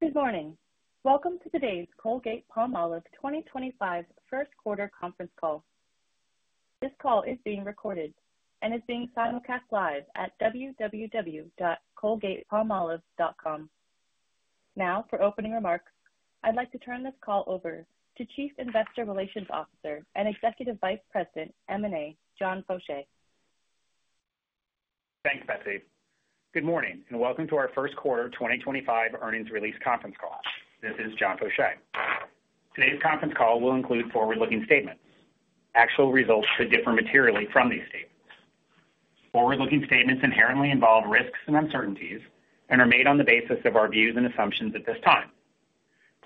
Good morning. Welcome to today's Colgate-Palmolive 2025 first quarter conference call. This call is being recorded and is being simulcast live at www.colgate-palmolive.com. Now, for opening remarks, I'd like to turn this call over to Chief Investor Relations Officer and Executive Vice President M&A, John Faucher. Thanks, Betsy. Good morning and welcome to our First Quarter 2025 Earnings Release Conference Call. This is John Faucher. Today's conference call will include forward-looking statements. Actual results could differ materially from these statements. Forward-looking statements inherently involve risks and uncertainties and are made on the basis of our views and assumptions at this time.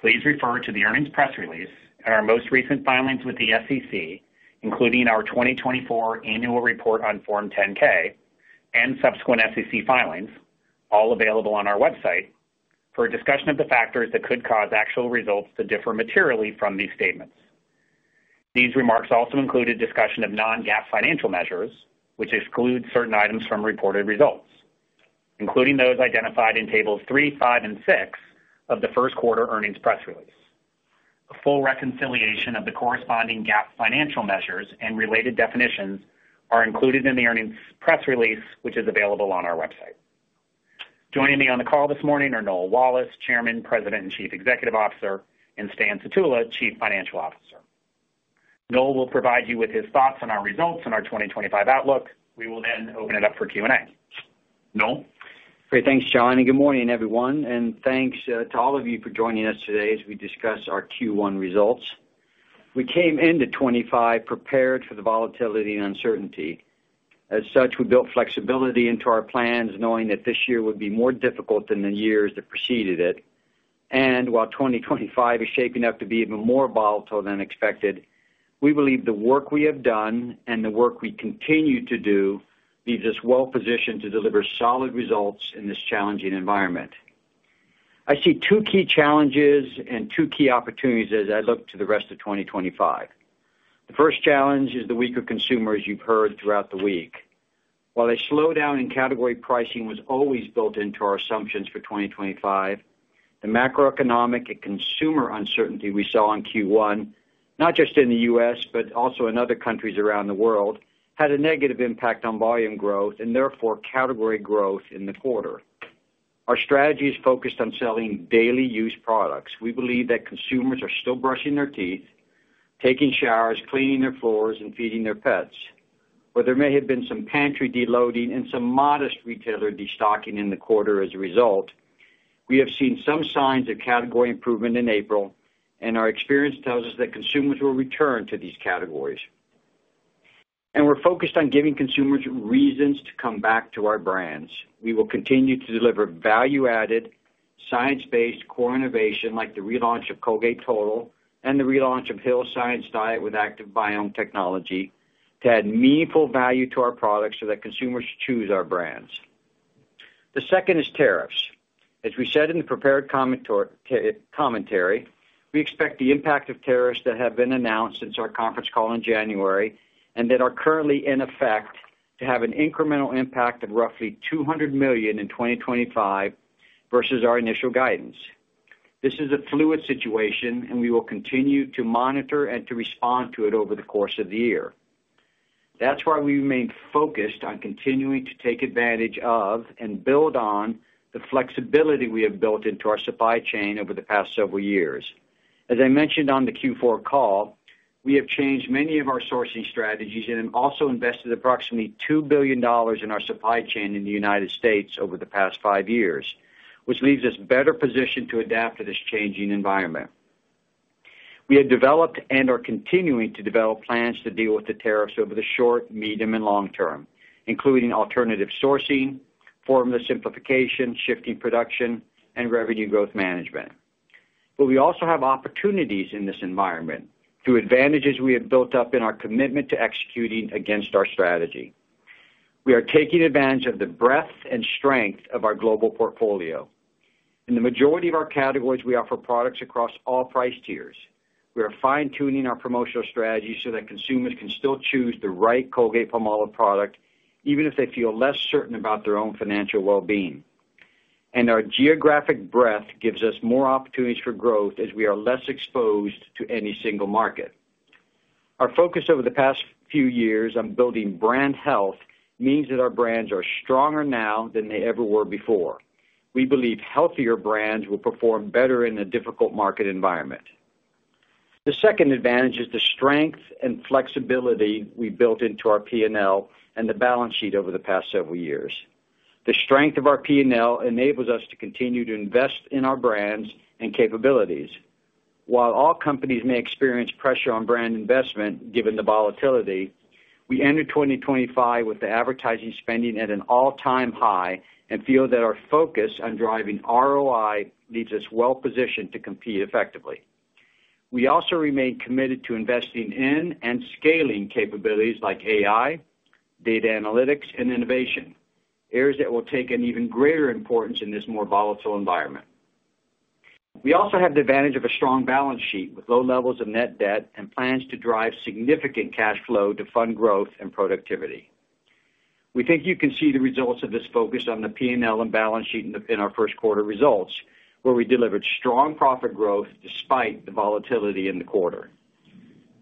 Please refer to the earnings press release and our most recent filings with the SEC, including our 2024 annual report on Form 10-K and subsequent SEC filings, all available on our website, for a discussion of the factors that could cause actual results to differ materially from these statements. These remarks also include a discussion of non-GAAP financial measures, which exclude certain items from reported results, including those identified in tables three, five, and six of the First Quarter Earnings Press Release. A full reconciliation of the corresponding GAAP financial measures and related definitions are included in the earnings press release, which is available on our website. Joining me on the call this morning are Noel Wallace, Chairman, President, and Chief Executive Officer, and Stan Sutula, Chief Financial Officer. Noel will provide you with his thoughts on our results and our 2025 outlook. We will then open it up for Q&A. Noel? Great. Thanks, John. Good morning, everyone. Thanks to all of you for joining us today as we discuss our Q1 results. We came into 2025 prepared for the volatility and uncertainty. As such, we built flexibility into our plans, knowing that this year would be more difficult than the years that preceded it. While 2025 is shaping up to be even more volatile than expected, we believe the work we have done and the work we continue to do leaves us well-positioned to deliver solid results in this challenging environment. I see two key challenges and two key opportunities as I look to the rest of 2025. The first challenge is the weaker consumers you have heard throughout the week. While a slowdown in category pricing was always built into our assumptions for 2025, the macroeconomic and consumer uncertainty we saw in Q1, not just in the U.S., but also in other countries around the world, had a negative impact on volume growth and therefore category growth in the quarter. Our strategy is focused on selling daily-use products. We believe that consumers are still brushing their teeth, taking showers, cleaning their floors, and feeding their pets. Where there may have been some pantry deloading and some modest retailer destocking in the quarter as a result, we have seen some signs of category improvement in April, and our experience tells us that consumers will return to these categories. We are focused on giving consumers reasons to come back to our brands. We will continue to deliver value-added, science-based core innovation like the relaunch of Colgate Total and the relaunch of Hill's Science Diet with ActivBiome+ technology to add meaningful value to our products so that consumers choose our brands. The second is tariffs. As we said in the prepared commentary, we expect the impact of tariffs that have been announced since our conference call in January and that are currently in effect to have an incremental impact of roughly $200 million in 2025 versus our initial guidance. This is a fluid situation, and we will continue to monitor and to respond to it over the course of the year. That is why we remain focused on continuing to take advantage of and build on the flexibility we have built into our supply chain over the past several years. As I mentioned on the Q4 call, we have changed many of our sourcing strategies and have also invested approximately $2 billion in our supply chain in the United States over the past five years, which leaves us better positioned to adapt to this changing environment. We have developed and are continuing to develop plans to deal with the tariffs over the short, medium, and long term, including alternative sourcing, formula simplification, shifting production, and revenue growth management. We also have opportunities in this environment through advantages we have built up in our commitment to executing against our strategy. We are taking advantage of the breadth and strength of our global portfolio. In the majority of our categories, we offer products across all price tiers. We are fine-tuning our promotional strategy so that consumers can still choose the right Colgate-Palmolive product even if they feel less certain about their own financial well-being. Our geographic breadth gives us more opportunities for growth as we are less exposed to any single market. Our focus over the past few years on building brand health means that our brands are stronger now than they ever were before. We believe healthier brands will perform better in a difficult market environment. The second advantage is the strength and flexibility we built into our P&L and the balance sheet over the past several years. The strength of our P&L enables us to continue to invest in our brands and capabilities. While all companies may experience pressure on brand investment given the volatility, we entered 2025 with the advertising spending at an all-time high and feel that our focus on driving ROI leaves us well-positioned to compete effectively. We also remain committed to investing in and scaling capabilities like AI, data analytics, and innovation, areas that will take an even greater importance in this more volatile environment. We also have the advantage of a strong balance sheet with low levels of net debt and plans to drive significant cash flow to fund growth and productivity. We think you can see the results of this focus on the P&L and balance sheet in our first quarter results, where we delivered strong profit growth despite the volatility in the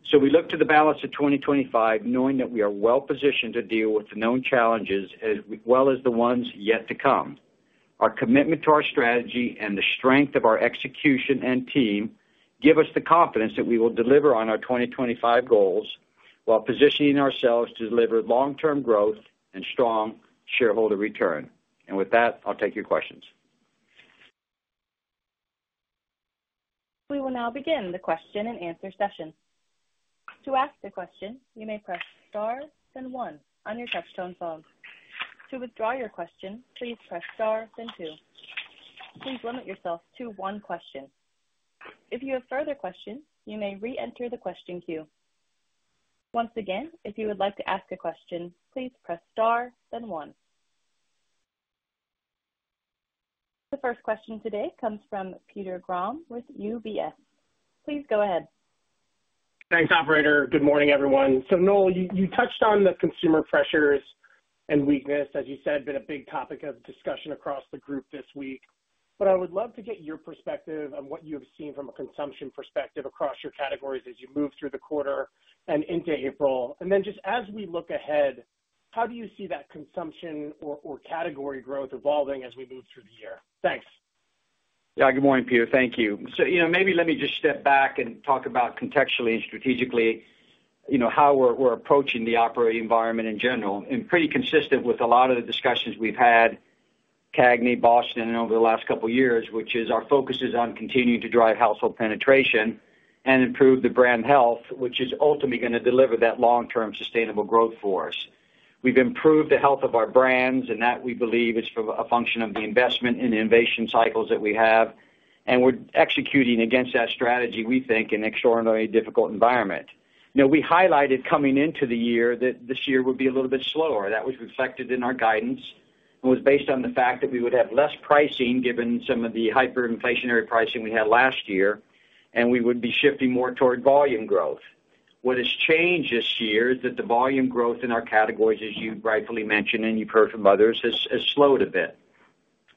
quarter. We look to the balance of 2025 knowing that we are well-positioned to deal with the known challenges as well as the ones yet to come. Our commitment to our strategy and the strength of our execution and team give us the confidence that we will deliver on our 2025 goals while positioning ourselves to deliver long-term growth and strong shareholder return. With that, I'll take your questions. We will now begin the question and answer session. To ask a question, you may press star then one on your touchtone phone. To withdraw your question, please press star then two. Please limit yourself to one question. If you have further questions, you may re-enter the question queue. Once again, if you would like to ask a question, please press star then one. The first question today comes from Peter Grom with UBS. Please go ahead. Thanks, operator. Good morning, everyone. Noel, you touched on the consumer pressures and weakness, as you said, been a big topic of discussion across the group this week. I would love to get your perspective on what you have seen from a consumption perspective across your categories as you move through the quarter and into April. Just as we look ahead, how do you see that consumption or category growth evolving as we move through the year? Thanks. Yeah. Good morning, Peter. Thank you. Maybe let me just step back and talk about contextually and strategically how we're approaching the operating environment in general. Pretty consistent with a lot of the discussions we've had, CAGNY, Boston, and over the last couple of years, which is our focus is on continuing to drive household penetration and improve the brand health, which is ultimately going to deliver that long-term sustainable growth for us. We've improved the health of our brands, and that we believe is a function of the investment and innovation cycles that we have. We're executing against that strategy, we think, in an extraordinarily difficult environment. We highlighted coming into the year that this year would be a little bit slower. That was reflected in our guidance and was based on the fact that we would have less pricing given some of the hyperinflationary pricing we had last year, and we would be shifting more toward volume growth. What has changed this year is that the volume growth in our categories, as you rightfully mentioned and you've heard from others, has slowed a bit.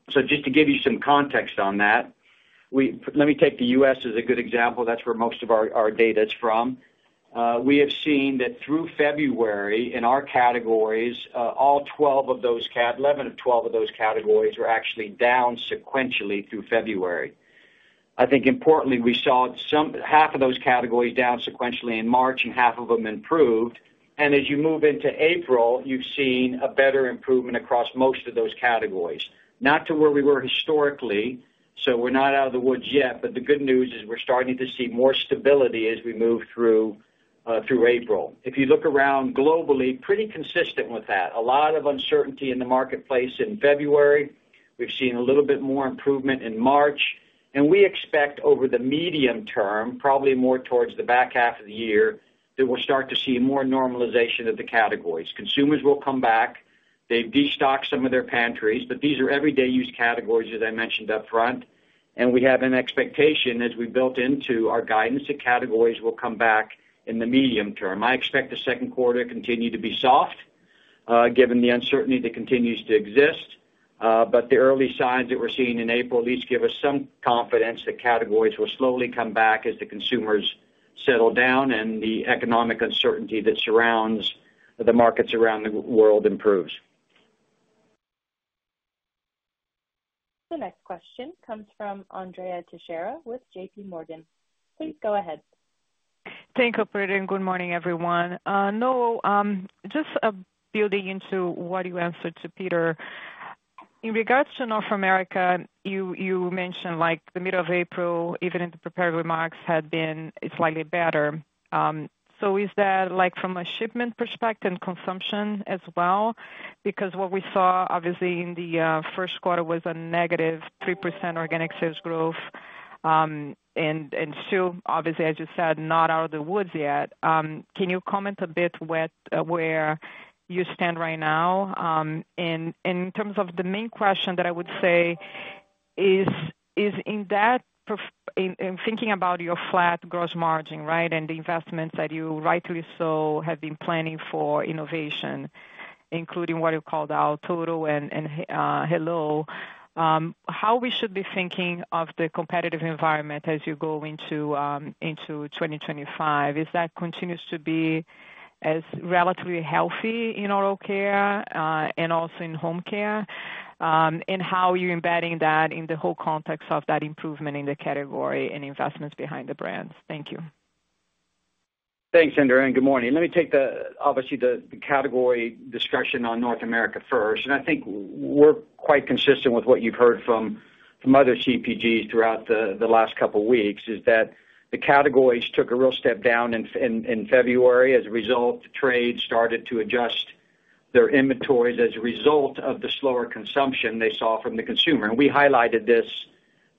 Just to give you some context on that, let me take the U.S. as a good example. That is where most of our data is from. We have seen that through February in our categories, 11 of 12 of those categories were actually down sequentially through February. I think importantly, we saw half of those categories down sequentially in March and half of them improved. As you move into April, you've seen a better improvement across most of those categories, not to where we were historically. We're not out of the woods yet. The good news is we're starting to see more stability as we move through April. If you look around globally, pretty consistent with that. A lot of uncertainty in the marketplace in February. We've seen a little bit more improvement in March. We expect over the medium term, probably more towards the back half of the year, that we'll start to see more normalization of the categories. Consumers will come back. They've destocked some of their pantries. These are everyday-use categories, as I mentioned upfront. We have an expectation as we built into our guidance that categories will come back in the medium term. I expect the second quarter to continue to be soft given the uncertainty that continues to exist. The early signs that we're seeing in April at least give us some confidence that categories will slowly come back as the consumers settle down and the economic uncertainty that surrounds the markets around the world improves. The next question comes from Andrea Teixeira with JPMorgan. Please go ahead. Thank you, Operator. Good morning, everyone. Noel, just building into what you answered to Peter, in regards to North America, you mentioned the middle of April, even in the prepared remarks, had been slightly better. Is that from a shipment perspective and consumption as well? What we saw, obviously, in the first quarter was a negative 3% organic sales growth. Still, obviously, as you said, not out of the woods yet. Can you comment a bit where you stand right now? In terms of the main question that I would say is in thinking about your flat gross margin, right, and the investments that you rightly so have been planning for innovation, including what you called out, Total and Hello, how we should be thinking of the competitive environment as you go into 2025? Is that continues to be as relatively healthy in auto care and also in home care? How are you embedding that in the whole context of that improvement in the category and investments behind the brands? Thank you. Thanks, Andrea. Good morning. Let me take the, obviously, the category discussion on North America first. I think we're quite consistent with what you've heard from other CPGs throughout the last couple of weeks is that the categories took a real step down in February. As a result, trade started to adjust their inventories as a result of the slower consumption they saw from the consumer. We highlighted this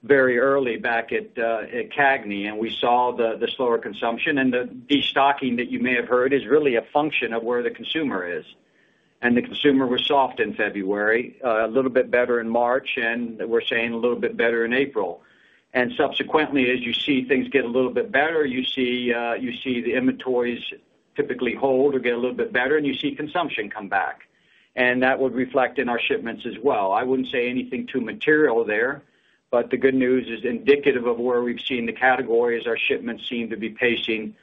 very early back at CAGNY, and we saw the slower consumption. The destocking that you may have heard is really a function of where the consumer is. The consumer was soft in February, a little bit better in March, and we're saying a little bit better in April. Subsequently, as you see things get a little bit better, you see the inventories typically hold or get a little bit better, and you see consumption come back. That would reflect in our shipments as well. I would not say anything too material there. The good news is indicative of where we have seen the categories; our shipments seem to be pacing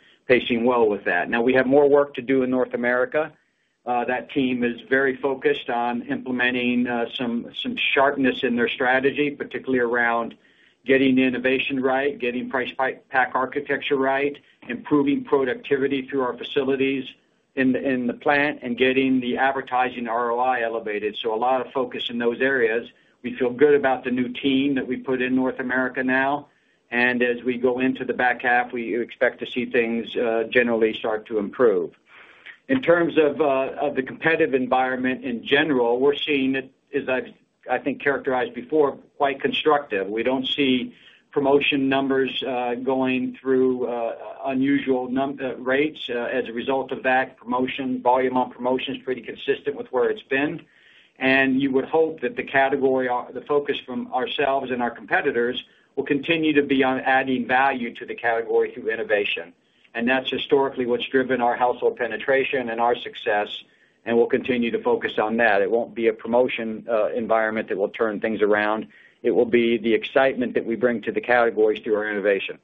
well with that. We have more work to do in North America. That team is very focused on implementing some sharpness in their strategy, particularly around getting innovation right, getting price pack architecture right, improving productivity through our facilities in the plant, and getting the advertising ROI elevated. A lot of focus in those areas. We feel good about the new team that we put in North America now. As we go into the back half, we expect to see things generally start to improve. In terms of the competitive environment in general, we're seeing it, as I think I have characterized before, quite constructive. We do not see promotion numbers going through unusual rates as a result of that. Promotion volume on promotion is pretty consistent with where it has been. You would hope that the category, the focus from ourselves and our competitors, will continue to be on adding value to the category through innovation. That is historically what has driven our household penetration and our success. We will continue to focus on that. It will not be a promotion environment that will turn things around. It will be the excitement that we bring to the categories through our innovation.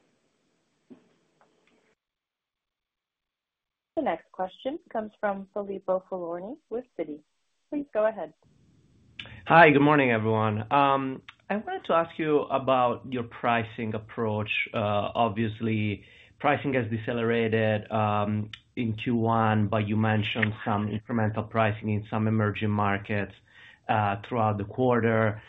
The next question comes from Filippo Falorni with Citi. Please go ahead. Hi. Good morning, everyone. I wanted to ask you about your pricing approach. Obviously, pricing has decelerated in Q1, but you mentioned some incremental pricing in some emerging markets throughout the quarter.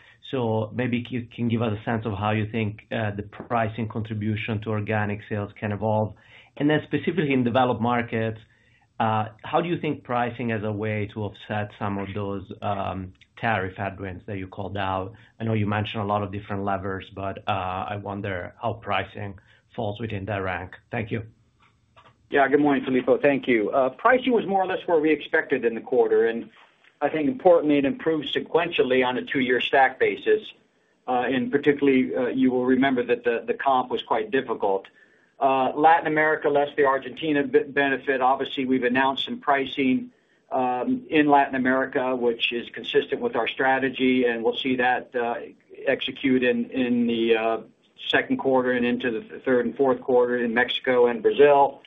Maybe you can give us a sense of how you think the pricing contribution to organic sales can evolve. Then specifically in developed markets, how do you think pricing is a way to offset some of those tariff headwinds that you called out? I know you mentioned a lot of different levers, but I wonder how pricing falls within that rank. Thank you. Yeah. Good morning, Filippo. Thank you. Pricing was more or less where we expected in the quarter. I think importantly, it improved sequentially on a two-year stack basis. Particularly, you will remember that the comp was quite difficult. Latin America less the Argentina benefit. Obviously, we've announced some pricing in Latin America, which is consistent with our strategy. We'll see that executed in the second quarter and into the third and fourth quarter in Mexico and Brazil.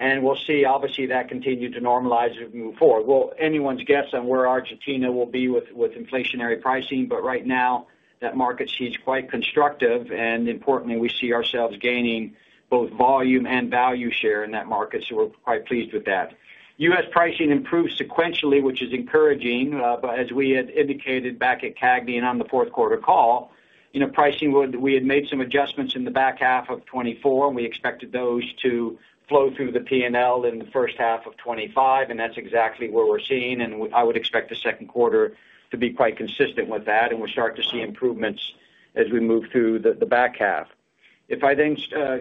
We'll see, obviously, that continue to normalize as we move forward. Anyone's guess on where Argentina will be with inflationary pricing. Right now, that market seems quite constructive. Importantly, we see ourselves gaining both volume and value share in that market. We're quite pleased with that. U.S. pricing improved sequentially, which is encouraging. As we had indicated back at CAGNY and on the fourth quarter call, pricing, we had made some adjustments in the back half of 2024. We expected those to flow through the P&L in the first half of 2025. That is exactly where we are seeing it. I would expect the second quarter to be quite consistent with that. We will start to see improvements as we move through the back half. If I then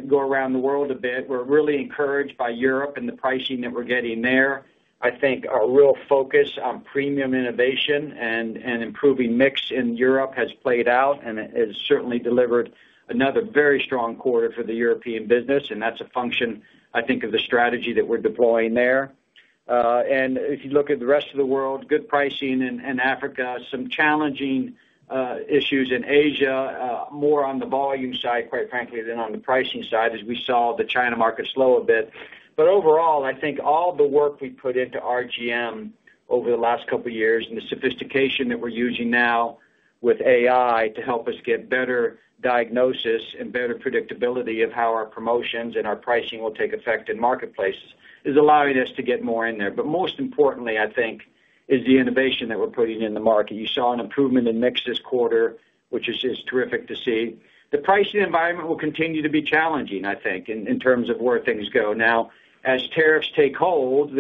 go around the world a bit, we are really encouraged by Europe and the pricing that we are getting there. I think a real focus on premium innovation and improving mix in Europe has played out and has certainly delivered another very strong quarter for the European business. That is a function, I think, of the strategy that we are deploying there. If you look at the rest of the world, good pricing in Africa, some challenging issues in Asia, more on the volume side, quite frankly, than on the pricing side, as we saw the China market slow a bit. Overall, I think all the work we put into RGM over the last couple of years and the sophistication that we're using now with AI to help us get better diagnosis and better predictability of how our promotions and our pricing will take effect in marketplaces is allowing us to get more in there. Most importantly, I think, is the innovation that we're putting in the market. You saw an improvement in mix this quarter, which is terrific to see. The pricing environment will continue to be challenging, I think, in terms of where things go. Now, as tariffs take hold,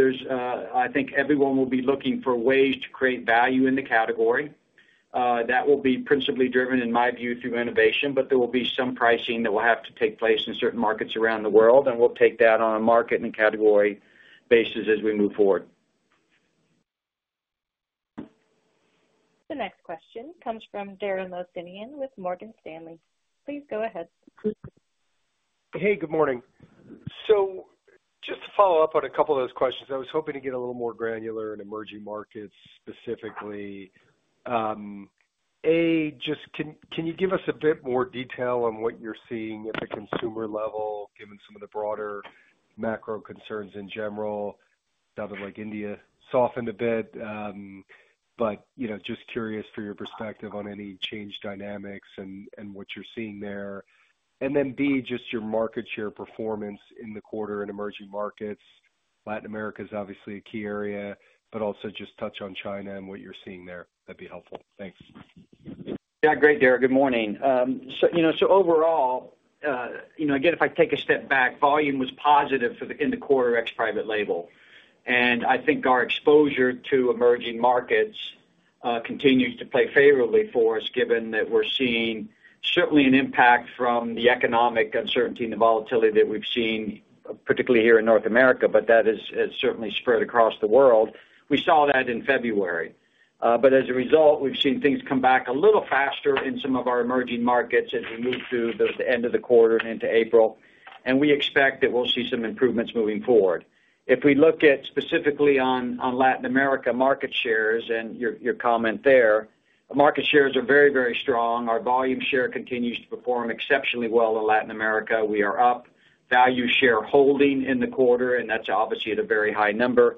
I think everyone will be looking for ways to create value in the category. That will be principally driven, in my view, through innovation. There will be some pricing that will have to take place in certain markets around the world. We will take that on a market and category basis as we move forward. The next question comes from Dara Mohsenian with Morgan Stanley. Please go ahead. Hey, good morning. Just to follow up on a couple of those questions, I was hoping to get a little more granular in emerging markets specifically. A, just can you give us a bit more detail on what you're seeing at the consumer level, given some of the broader macro concerns in general, stuff like India softened a bit? Just curious for your perspective on any change dynamics and what you're seeing there. Then B, just your market share performance in the quarter in emerging markets. Latin America is obviously a key area, but also just touch on China and what you're seeing there. That'd be helpful. Thanks. Yeah. Great, Dara. Good morning. Overall, again, if I take a step back, volume was positive in the quarter ex-private label. I think our exposure to emerging markets continues to play favorably for us, given that we're seeing certainly an impact from the economic uncertainty and the volatility that we've seen, particularly here in North America. That has certainly spread across the world. We saw that in February. As a result, we've seen things come back a little faster in some of our emerging markets as we move through the end of the quarter and into April. We expect that we'll see some improvements moving forward. If we look specifically at Latin America market shares and your comment there, market shares are very, very strong. Our volume share continues to perform exceptionally well in Latin America. We are up value share holding in the quarter. That is obviously at a very high number.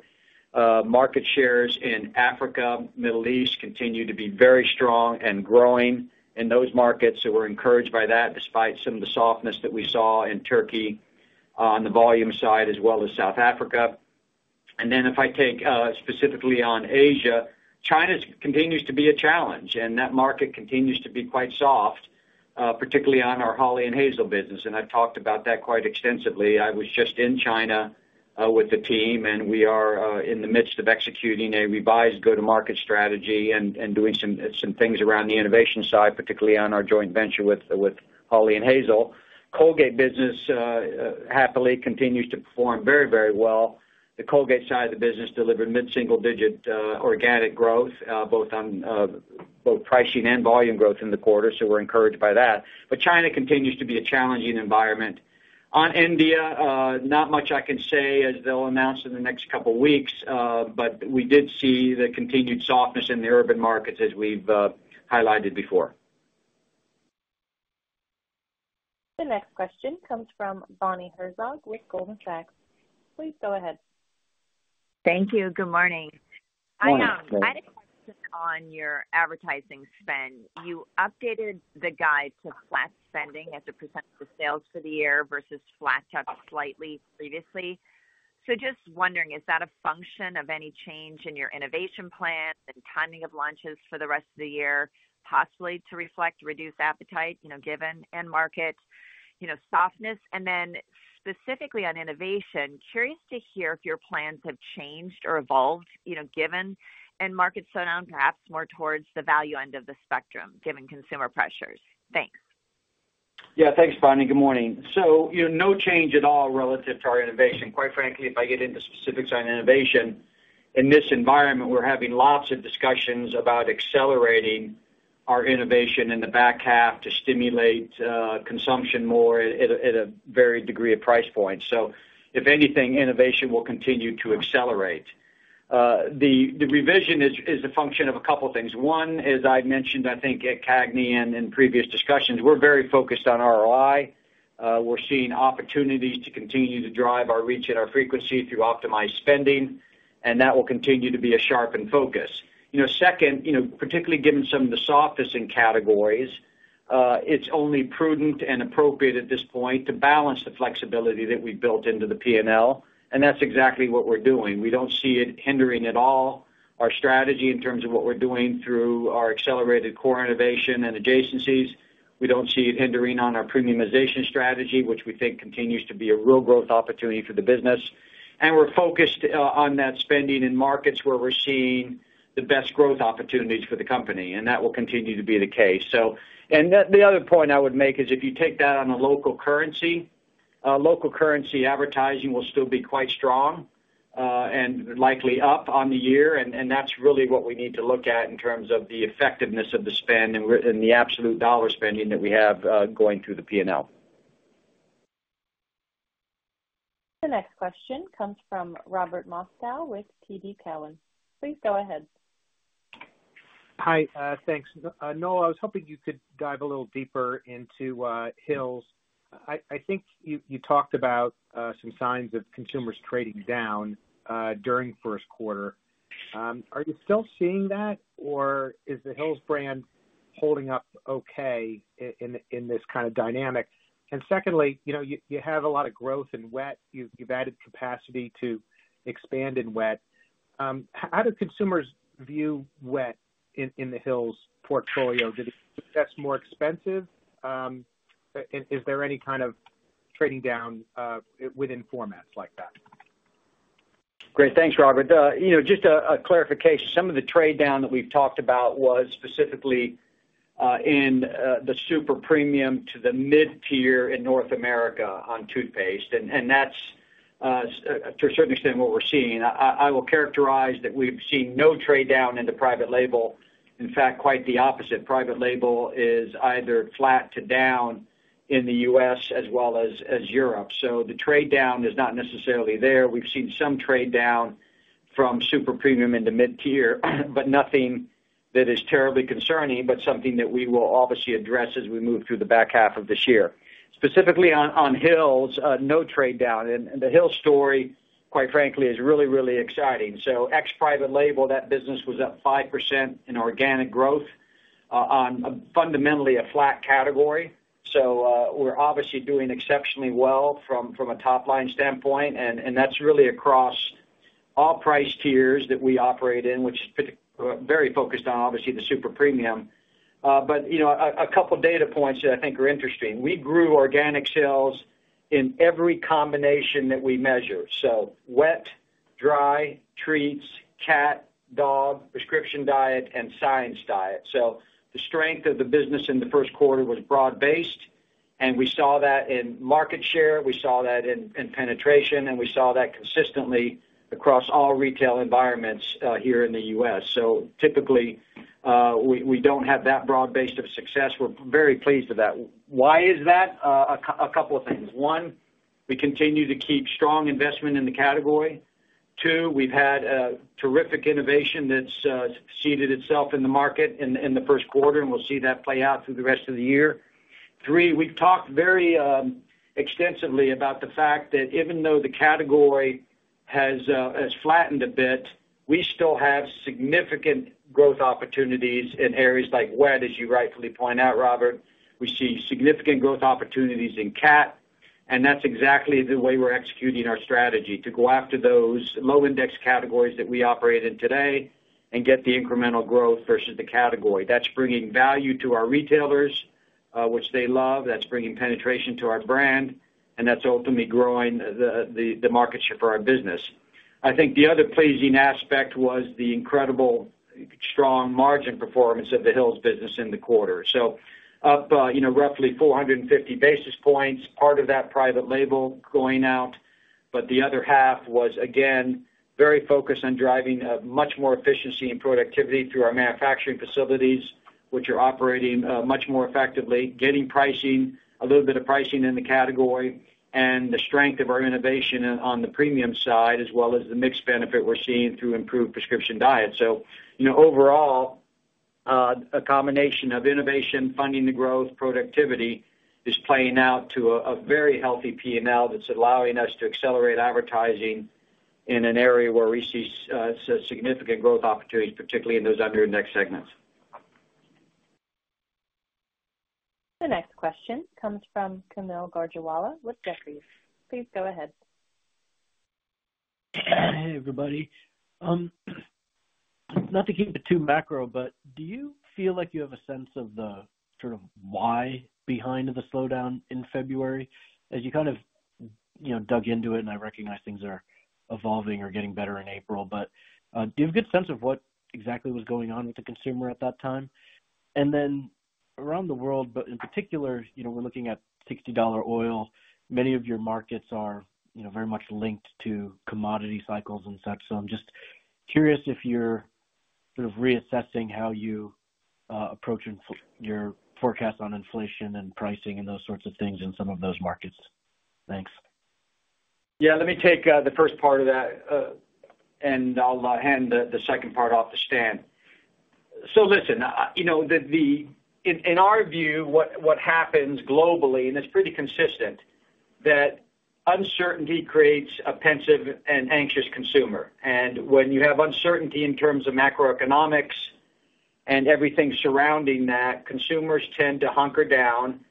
Market shares in Africa, Middle East continue to be very strong and growing in those markets. We are encouraged by that despite some of the softness that we saw in Turkey on the volume side as well as South Africa. If I take specifically on Asia, China continues to be a challenge. That market continues to be quite soft, particularly on our Hawley & Hazel business. I have talked about that quite extensively. I was just in China with the team. We are in the midst of executing a revised go-to-market strategy and doing some things around the innovation side, particularly on our joint venture with Hawley & Hazel. Colgate business happily continues to perform very, very well. The Colgate side of the business delivered mid-single-digit organic growth, both pricing and volume growth in the quarter. We are encouraged by that. China continues to be a challenging environment. On India, not much I can say as they will announce in the next couple of weeks. We did see the continued softness in the urban markets, as we have highlighted before. The next question comes from Bonnie Herzog with Goldman Sachs. Please go ahead. Thank you. Good morning. Good morning. I have a question on your advertising spend. You updated the guide to flat spending as a percentage of sales for the year versus flat jumped slightly previously. Just wondering, is that a function of any change in your innovation plan and timing of launches for the rest of the year, possibly to reflect reduced appetite, given end market softness? Specifically on innovation, curious to hear if your plans have changed or evolved, given end markets slowed down, perhaps more towards the value end of the spectrum, given consumer pressures. Thanks. Yeah. Thanks, Bonnie. Good morning. No change at all relative to our innovation. Quite frankly, if I get into specifics on innovation, in this environment, we're having lots of discussions about accelerating our innovation in the back half to stimulate consumption more at a varied degree of price points. If anything, innovation will continue to accelerate. The revision is a function of a couple of things. One is, I mentioned, I think, at CAGNY and in previous discussions, we're very focused on ROI. We're seeing opportunities to continue to drive our reach and our frequency through optimized spending. That will continue to be a sharpened focus. Second, particularly given some of the softness in categories, it's only prudent and appropriate at this point to balance the flexibility that we've built into the P&L. That's exactly what we're doing. We do not see it hindering at all our strategy in terms of what we are doing through our accelerated core innovation and adjacencies. We do not see it hindering on our premiumization strategy, which we think continues to be a real growth opportunity for the business. We are focused on that spending in markets where we are seeing the best growth opportunities for the company. That will continue to be the case. The other point I would make is if you take that on a local currency, local currency advertising will still be quite strong and likely up on the year. That is really what we need to look at in terms of the effectiveness of the spend and the absolute dollar spending that we have going through the P&L. The next question comes from Robert Moskow with TD Cowen. Please go ahead. Hi. Thanks. Noel, I was hoping you could dive a little deeper into Hill's. I think you talked about some signs of consumers trading down during first quarter. Are you still seeing that, or is the Hill's brand holding up okay in this kind of dynamic? Secondly, you have a lot of growth in wet. You've added capacity to expand in wet. How do consumers view wet in the Hill's portfolio? That's more expensive? Is there any kind of trading down within formats like that? Great. Thanks, Robert. Just a clarification. Some of the trade down that we've talked about was specifically in the super premium to the mid-tier in North America on toothpaste. That is, to a certain extent, what we're seeing. I will characterize that we've seen no trade down into private label. In fact, quite the opposite. Private label is either flat to down in the U.S. as well as Europe. The trade down is not necessarily there. We've seen some trade down from super premium into mid-tier, but nothing that is terribly concerning, but something that we will obviously address as we move through the back half of this year. Specifically on Hill's, no trade down. The Hill's story, quite frankly, is really, really exciting. Ex-private label, that business was up 5% in organic growth on fundamentally a flat category. We're obviously doing exceptionally well from a top-line standpoint. That's really across all price tiers that we operate in, which is very focused on, obviously, the super premium. A couple of data points that I think are interesting. We grew organic sales in every combination that we measure. Wet, dry, treats, cat, dog, prescription diet, and science diet. The strength of the business in the first quarter was broad-based. We saw that in market share. We saw that in penetration. We saw that consistently across all retail environments here in the U.S. Typically, we don't have that broad-based of success. We're very pleased with that. Why is that? A couple of things. One, we continue to keep strong investment in the category. Two, we've had terrific innovation that's seeded itself in the market in the first quarter. We will see that play out through the rest of the year. Three, we have talked very extensively about the fact that even though the category has flattened a bit, we still have significant growth opportunities in areas like wet, as you rightfully point out, Robert. We see significant growth opportunities in cat. That is exactly the way we are executing our strategy, to go after those low-index categories that we operate in today and get the incremental growth versus the category. That is bringing value to our retailers, which they love. That is bringing penetration to our brand. That is ultimately growing the market share for our business. I think the other pleasing aspect was the incredibly strong margin performance of the Hill's business in the quarter, up roughly 450 basis points, part of that private label going out. The other half was, again, very focused on driving much more efficiency and productivity through our manufacturing facilities, which are operating much more effectively, getting a little bit of pricing in the category, and the strength of our innovation on the premium side, as well as the mixed benefit we're seeing through improved prescription diet. Overall, a combination of innovation, Funding the Growth, productivity is playing out to a very healthy P&L that's allowing us to accelerate advertising in an area where we see significant growth opportunities, particularly in those under-index segments. The next question comes from Kaumil Gajrawala with Jefferies. Please go ahead. Hey, everybody. Not to keep it too macro, but do you feel like you have a sense of the sort of why behind the slowdown in February? As you kind of dug into it, and I recognize things are evolving or getting better in April. Do you have a good sense of what exactly was going on with the consumer at that time? Around the world, but in particular, we're looking at $60 oil. Many of your markets are very much linked to commodity cycles and such. I'm just curious if you're sort of reassessing how you approach your forecast on inflation and pricing and those sorts of things in some of those markets. Thanks. Yeah. Let me take the first part of that. I'll hand the second part off to Stan. Listen, in our view, what happens globally, and it's pretty consistent, is that uncertainty creates a pensive and anxious consumer. When you have uncertainty in terms of macroeconomics and everything surrounding that, consumers tend to hunker down.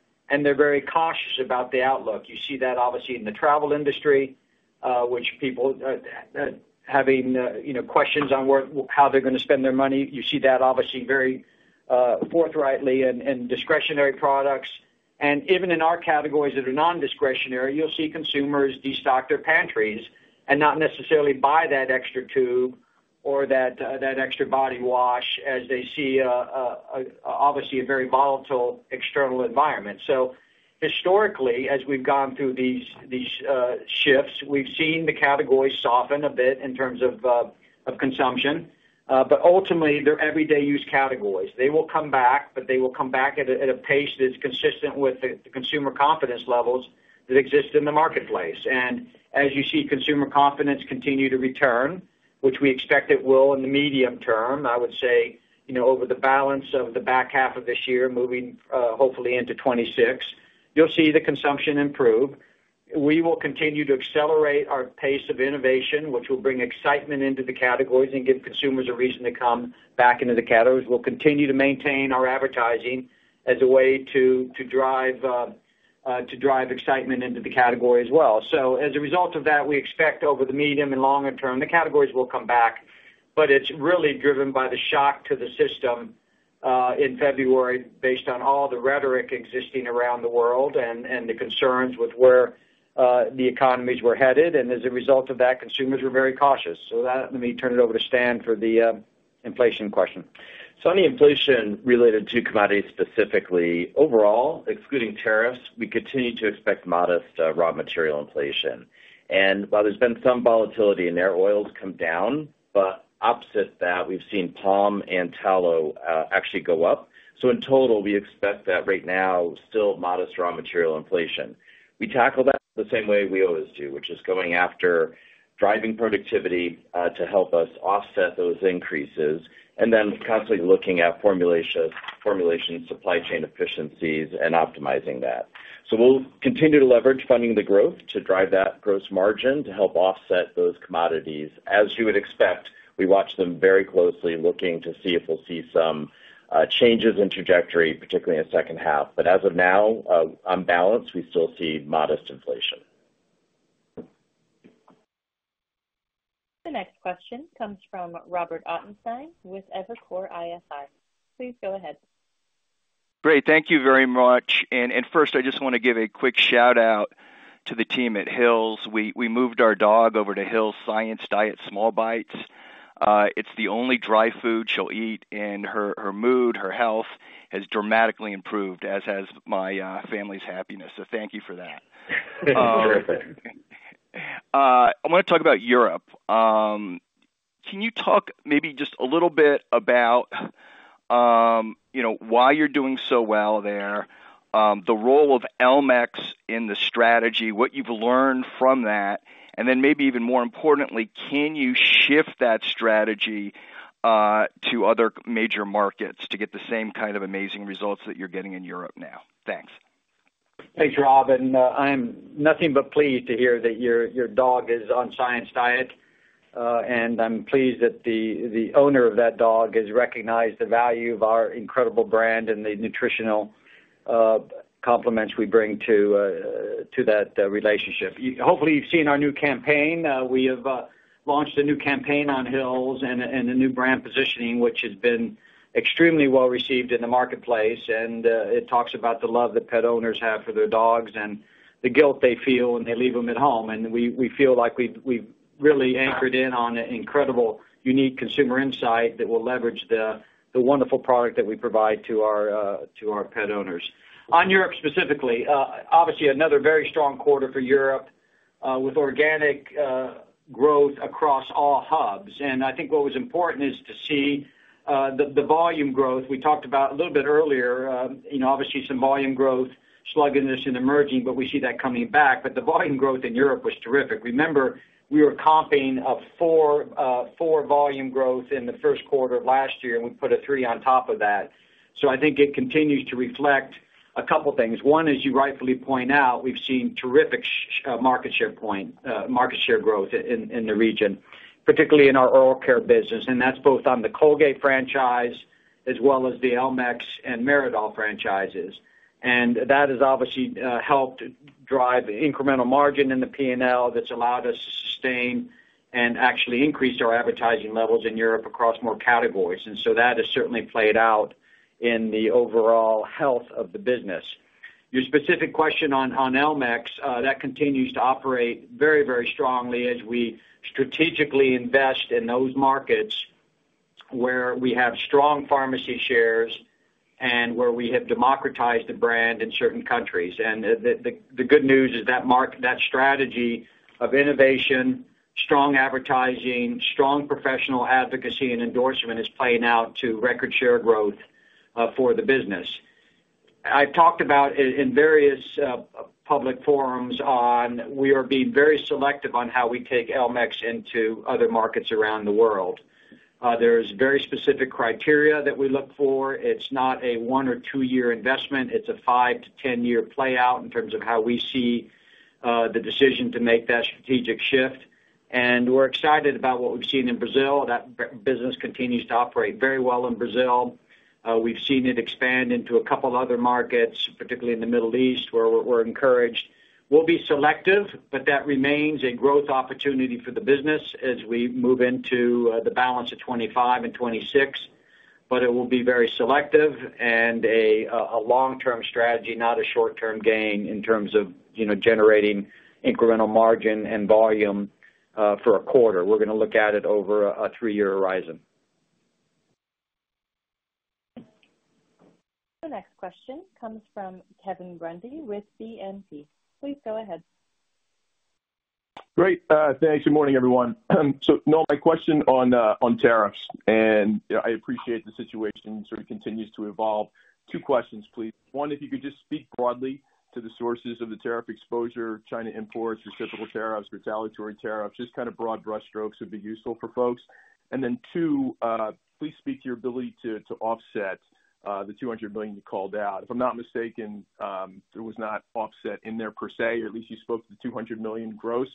They're very cautious about the outlook. You see that obviously in the travel industry, with people having questions on how they're going to spend their money. You see that obviously very forthrightly in discretionary products. Even in our categories that are non-discretionary, you'll see consumers destock their pantries and not necessarily buy that extra tube or that extra body wash as they see a very volatile external environment. Historically, as we've gone through these shifts, we've seen the categories soften a bit in terms of consumption. Ultimately, they're everyday use categories. They will come back, but they will come back at a pace that is consistent with the consumer confidence levels that exist in the marketplace. As you see consumer confidence continue to return, which we expect it will in the medium term, I would say over the balance of the back half of this year, moving hopefully into 2026, you'll see the consumption improve. We will continue to accelerate our pace of innovation, which will bring excitement into the categories and give consumers a reason to come back into the categories. We'll continue to maintain our advertising as a way to drive excitement into the category as well. As a result of that, we expect over the medium and longer term, the categories will come back. It is really driven by the shock to the system in February based on all the rhetoric existing around the world and the concerns with where the economies were headed. As a result of that, consumers were very cautious. Let me turn it over to Stan for the inflation question. On the inflation related to commodities specifically, overall, excluding tariffs, we continue to expect modest raw material inflation. While there has been some volatility in there, oils have come down. Opposite that, we have seen palm and tallow actually go up. In total, we expect that right now, still modest raw material inflation. We tackle that the same way we always do, which is going after driving productivity to help us offset those increases and then constantly looking at formulations, supply chain efficiencies, and optimizing that. We will continue to leverage Funding the Growth to drive that gross margin to help offset those commodities. As you would expect, we watch them very closely looking to see if we will see some changes in trajectory, particularly in the second half. As of now, on balance, we still see modest inflation. The next question comes from Robert Ottenstein with Evercore ISI. Please go ahead. Great. Thank you very much. First, I just want to give a quick shout-out to the team at Hill's. We moved our dog over to Hill's Science Diet Small Bites. It's the only dry food she'll eat, and her mood, her health has dramatically improved, as has my family's happiness. Thank you for that. Terrific. I want to talk about Europe. Can you talk maybe just a little bit about why you're doing so well there, the role of Elmex in the strategy, what you've learned from that, and then maybe even more importantly, can you shift that strategy to other major markets to get the same kind of amazing results that you're getting in Europe now? Thanks. Thanks, Robert. I'm nothing but pleased to hear that your dog is on Science Diet. I'm pleased that the owner of that dog has recognized the value of our incredible brand and the nutritional complements we bring to that relationship. Hopefully, you've seen our new campaign. We have launched a new campaign on Hill's and a new brand positioning, which has been extremely well received in the marketplace. It talks about the love that pet owners have for their dogs and the guilt they feel when they leave them at home. We feel like we've really anchored in on incredible unique consumer insight that will leverage the wonderful product that we provide to our pet owners. On Europe specifically, obviously, another very strong quarter for Europe with organic growth across all hubs. I think what was important is to see the volume growth. We talked about a little bit earlier, obviously, some volume growth, sluggishness in emerging, but we see that coming back. The volume growth in Europe was terrific. Remember, we were comping a four-volume growth in the first quarter of last year, and we put a three on top of that. I think it continues to reflect a couple of things. One is, you rightfully point out, we've seen terrific market share growth in the region, particularly in our oral care business. That's both on the Colgate franchise as well as the Elmex and Meridol franchises. That has obviously helped drive incremental margin in the P&L that's allowed us to sustain and actually increase our advertising levels in Europe across more categories. That has certainly played out in the overall health of the business. Your specific question on Elmex, that continues to operate very, very strongly as we strategically invest in those markets where we have strong pharmacy shares and where we have democratized the brand in certain countries. The good news is that strategy of innovation, strong advertising, strong professional advocacy, and endorsement is playing out to record-share growth for the business. I've talked about in various public forums on we are being very selective on how we take Elmex into other markets around the world. There's very specific criteria that we look for. It's not a one or two-year investment. It's a 5-10 year playout in terms of how we see the decision to make that strategic shift. We are excited about what we've seen in Brazil. That business continues to operate very well in Brazil. We've seen it expand into a couple of other markets, particularly in the Middle East, where we're encouraged. We'll be selective, but that remains a growth opportunity for the business as we move into the balance of 2025 and 2026. It will be very selective and a long-term strategy, not a short-term gain in terms of generating incremental margin and volume for a quarter. We're going to look at it over a three-year horizon. The next question comes from Kevin Grundy with BNP. Please go ahead. Great. Thanks. Good morning, everyone. Noel, my question on tariffs. I appreciate the situation sort of continues to evolve. Two questions, please. One, if you could just speak broadly to the sources of the tariff exposure: China imports, reciprocal tariffs, retaliatory tariffs. Just kind of broad brushstrokes would be useful for folks. Two, please speak to your ability to offset the $200 million you called out. If I'm not mistaken, there was not offset in there per se, or at least you spoke to the $200 million gross.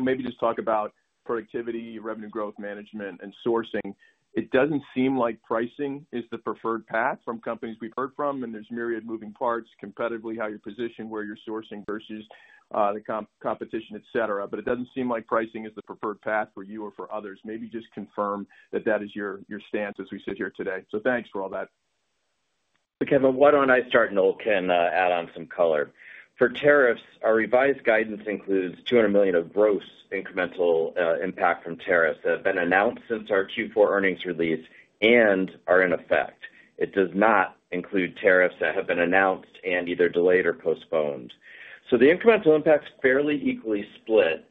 Maybe just talk about productivity, revenue growth management, and sourcing. It does not seem like pricing is the preferred path from companies we've heard from. There are myriad moving parts: competitively, how you're positioned, where you're sourcing versus the competition, etc. It does not seem like pricing is the preferred path for you or for others. Maybe just confirm that that is your stance as we sit here today. Thanks for all that. Kevin, why don't I start and Noel can add on some color. For tariffs, our revised guidance includes $200 million of gross incremental impact from tariffs that have been announced since our Q4 earnings release and are in effect. It does not include tariffs that have been announced and either delayed or postponed. The incremental impact is fairly equally split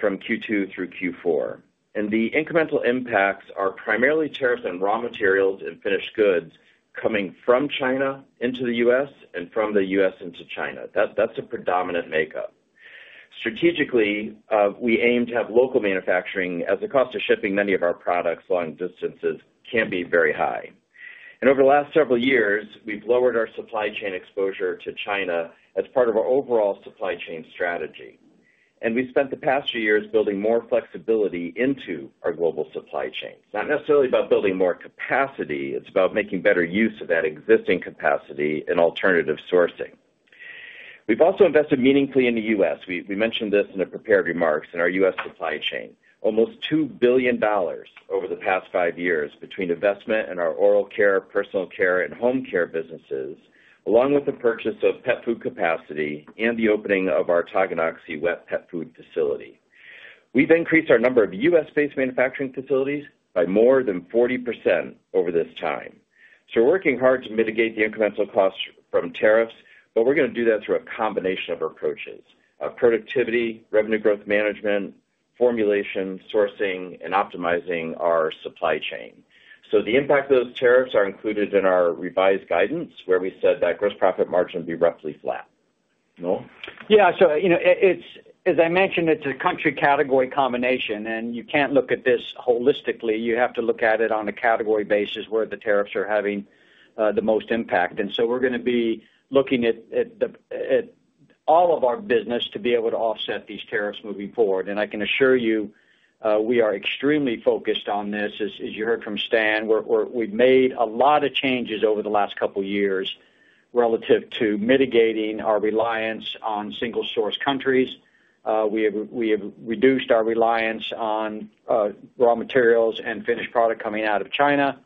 from Q2 through Q4. The incremental impacts are primarily tariffs on raw materials and finished goods coming from China into the U.S. and from the U.S. into China. That is a predominant makeup. Strategically, we aim to have local manufacturing as the cost of shipping many of our products long distances can be very high. Over the last several years, we have lowered our supply chain exposure to China as part of our overall supply chain strategy. We spent the past few years building more flexibility into our global supply chains. Not necessarily about building more capacity. It's about making better use of that existing capacity and alternative sourcing. We've also invested meaningfully in the U.S. We mentioned this in the prepared remarks in our U.S. supply chain. Almost $2 billion over the past five years between investment in our oral care, personal care, and home care businesses, along with the purchase of pet food capacity and the opening of our Tonganoxie wet pet food facility. We've increased our number of U.S.-based manufacturing facilities by more than 40% over this time. We are working hard to mitigate the incremental costs from tariffs, but we are going to do that through a combination of approaches: productivity, revenue growth management, formulation, sourcing, and optimizing our supply chain. The impact of those tariffs is included in our revised guidance, where we said that gross profit margin would be roughly flat. Noel? Yeah. As I mentioned, it's a country-category combination. You can't look at this holistically. You have to look at it on a category basis where the tariffs are having the most impact. We are going to be looking at all of our business to be able to offset these tariffs moving forward. I can assure you we are extremely focused on this, as you heard from Stan. We've made a lot of changes over the last couple of years relative to mitigating our reliance on single-source countries. We have reduced our reliance on raw materials and finished product coming out of China.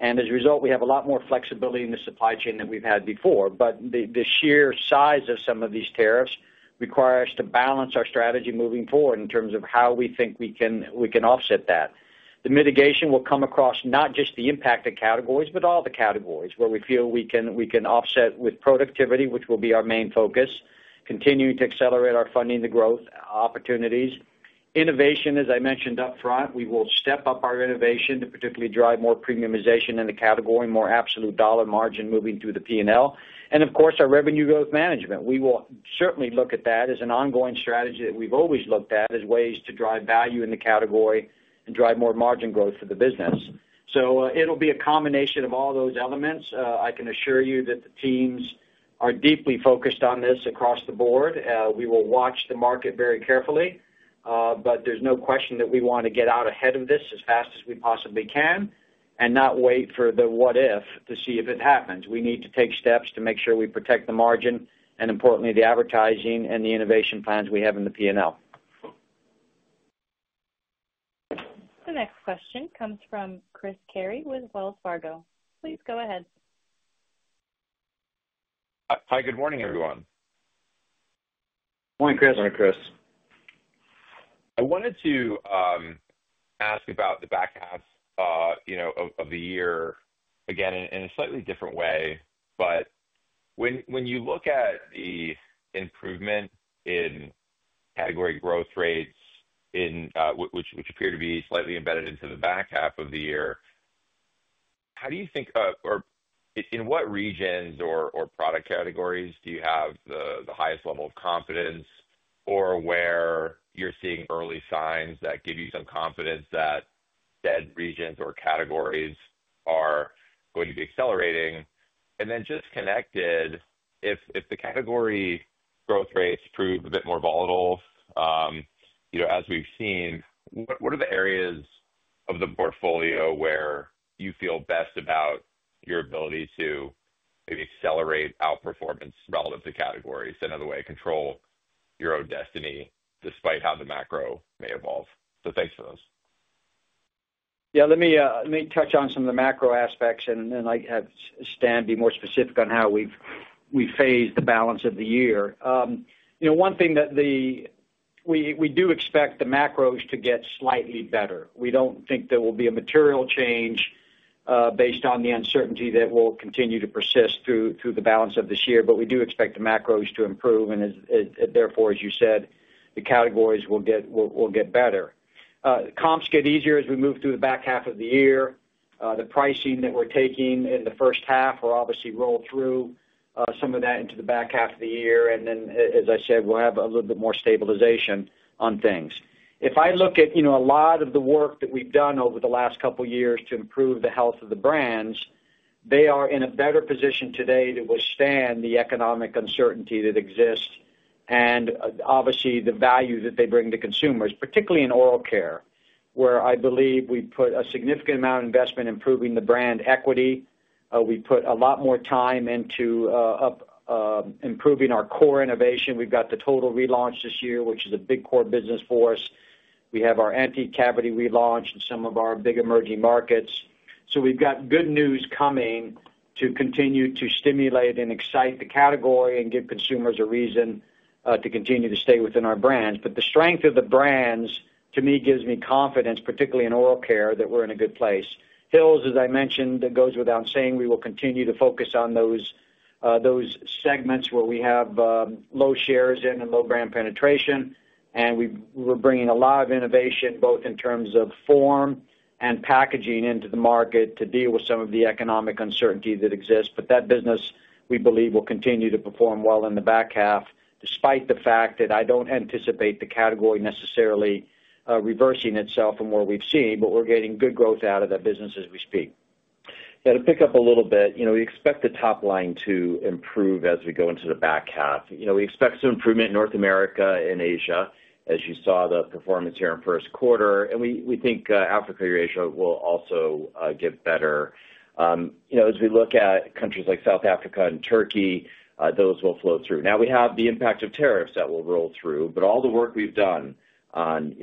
As a result, we have a lot more flexibility in the supply chain than we've had before. The sheer size of some of these tariffs requires us to balance our strategy moving forward in terms of how we think we can offset that. The mitigation will come across not just the impacted categories, but all the categories where we feel we can offset with productivity, which will be our main focus, continuing to accelerate our Funding the Growth opportunities. Innovation, as I mentioned upfront, we will step up our innovation to particularly drive more premiumization in the category, more absolute dollar margin moving through the P&L. Of course, our revenue growth management. We will certainly look at that as an ongoing strategy that we've always looked at as ways to drive value in the category and drive more margin growth for the business. It will be a combination of all those elements. I can assure you that the teams are deeply focused on this across the board. We will watch the market very carefully. There is no question that we want to get out ahead of this as fast as we possibly can and not wait for the what-if to see if it happens. We need to take steps to make sure we protect the margin and, importantly, the advertising and the innovation plans we have in the P&L. The next question comes from Chris Carey with Wells Fargo. Please go ahead. Hi. Good morning, everyone. Morning, Chris. Morning, Chris. I wanted to ask about the back half of the year again in a slightly different way. When you look at the improvement in category growth rates, which appear to be slightly embedded into the back half of the year, how do you think or in what regions or product categories do you have the highest level of confidence or where you're seeing early signs that give you some confidence that said regions or categories are going to be accelerating? Just connected, if the category growth rates prove a bit more volatile as we've seen, what are the areas of the portfolio where you feel best about your ability to maybe accelerate outperformance relative to categories and, in a way, control your own destiny despite how the macro may evolve? Thanks for those. Yeah. Let me touch on some of the macro aspects, and I'll have Stan be more specific on how we phase the balance of the year. One thing that we do expect, the macros to get slightly better. We don't think there will be a material change based on the uncertainty that will continue to persist through the balance of this year. We do expect the macros to improve. Therefore, as you said, the categories will get better. Comps get easier as we move through the back half of the year. The pricing that we're taking in the first half will obviously roll through some of that into the back half of the year. As I said, we'll have a little bit more stabilization on things. If I look at a lot of the work that we've done over the last couple of years to improve the health of the brands, they are in a better position today to withstand the economic uncertainty that exists and, obviously, the value that they bring to consumers, particularly in oral care, where I believe we've put a significant amount of investment improving the brand equity. We've put a lot more time into improving our core innovation. We've got the Total relaunch this year, which is a big core business for us. We have our anti-cavity relaunch in some of our big emerging markets. We have good news coming to continue to stimulate and excite the category and give consumers a reason to continue to stay within our brands. The strength of the brands, to me, gives me confidence, particularly in oral care, that we're in a good place. Hill's, as I mentioned, it goes without saying. We will continue to focus on those segments where we have low shares and low brand penetration. We're bringing a lot of innovation, both in terms of form and packaging, into the market to deal with some of the economic uncertainty that exists. That business, we believe, will continue to perform well in the back half despite the fact that I don't anticipate the category necessarily reversing itself from where we've seen. We're getting good growth out of that business as we speak. Yeah. To pick up a little bit, we expect the top line to improve as we go into the back half. We expect some improvement in North America and Asia, as you saw the performance here in first quarter. We think Africa and Asia will also get better. As we look at countries like South Africa and Turkey, those will flow through. Now, we have the impact of tariffs that will roll through. All the work we've done on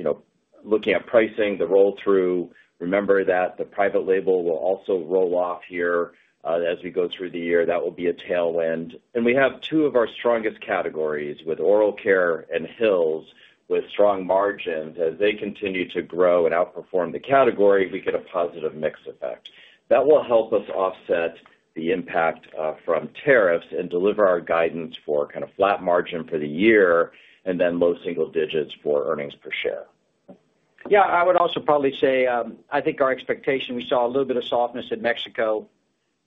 looking at pricing, the roll-through, remember that the private label will also roll off here as we go through the year. That will be a tailwind. We have two of our strongest categories with oral care and Hill's with strong margins. As they continue to grow and outperform the category, we get a positive mix effect. That will help us offset the impact from tariffs and deliver our guidance for kind of flat margin for the year and then low single digits for earnings per share. Yeah. I would also probably say I think our expectation, we saw a little bit of softness in Mexico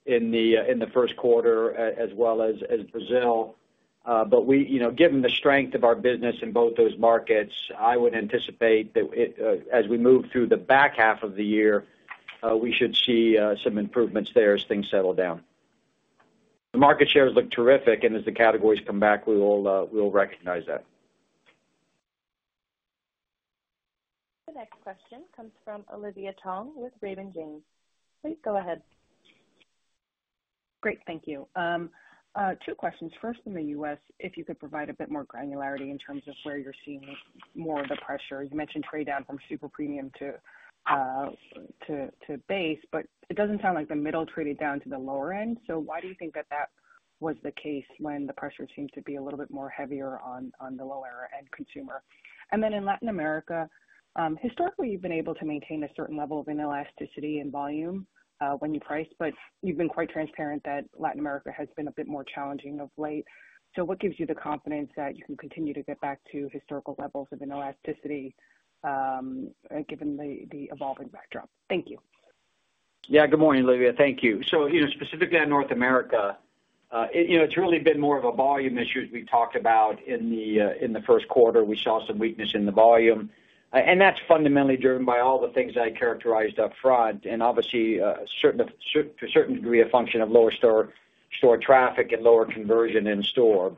in the first quarter as well as Brazil. Given the strength of our business in both those markets, I would anticipate that as we move through the back half of the year, we should see some improvements there as things settle down. The market shares look terrific. As the categories come back, we will recognize that. The next question comes from Olivia Tong with Raymond James. Please go ahead. Great. Thank you. Two questions. First, in the U.S., if you could provide a bit more granularity in terms of where you're seeing more of the pressure. You mentioned trade down from super premium to base. It does not sound like the middle traded down to the lower end. Why do you think that that was the case when the pressure seemed to be a little bit more heavier on the lower-end consumer? In Latin America, historically, you've been able to maintain a certain level of inelasticity in volume when you priced. You've been quite transparent that Latin America has been a bit more challenging of late. What gives you the confidence that you can continue to get back to historical levels of inelasticity given the evolving backdrop? Thank you. Yeah. Good morning, Olivia. Thank you. Specifically in North America, it's really been more of a volume issue as we talked about in the first quarter. We saw some weakness in the volume. That's fundamentally driven by all the things I characterized upfront and, obviously, to a certain degree, a function of lower store traffic and lower conversion in store.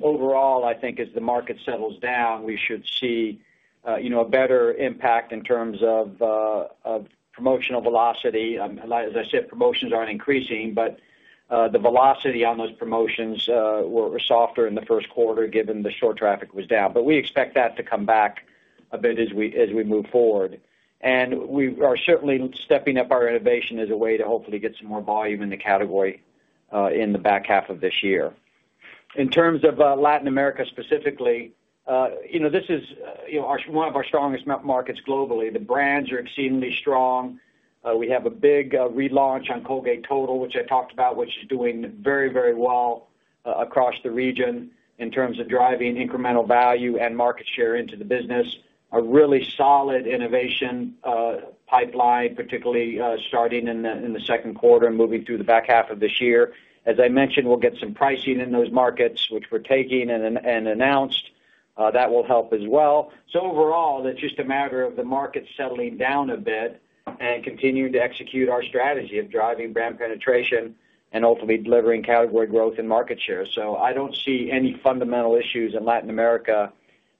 Overall, I think as the market settles down, we should see a better impact in terms of promotional velocity. As I said, promotions aren't increasing. The velocity on those promotions was softer in the first quarter given the store traffic was down. We expect that to come back a bit as we move forward. We are certainly stepping up our innovation as a way to hopefully get some more volume in the category in the back half of this year. In terms of Latin America specifically, this is one of our strongest markets globally. The brands are exceedingly strong. We have a big relaunch on Colgate Total, which I talked about, which is doing very, very well across the region in terms of driving incremental value and market share into the business. A really solid innovation pipeline, particularly starting in the second quarter and moving through the back half of this year. As I mentioned, we will get some pricing in those markets, which we are taking and announced. That will help as well. Overall, that is just a matter of the market settling down a bit and continuing to execute our strategy of driving brand penetration and ultimately delivering category growth and market share. I do not see any fundamental issues in Latin America